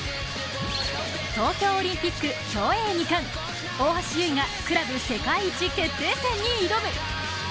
東京オリンピック競泳２冠、大橋悠依がクラブ世界一決定戦に挑む。